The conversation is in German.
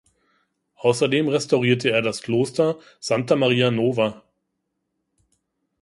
Außerdem restaurierte er das Kloster Santa Maria Nova.